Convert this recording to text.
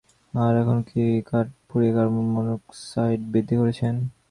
আর এখন আপনি কি না কাঠ পুড়িয়ে কার্বন মনো-অক্সাইড বৃদ্ধি করছেন!